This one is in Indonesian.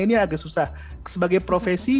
ini agak susah sebagai profesi